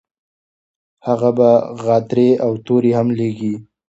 هغه به غاترې او توري هم لیږي.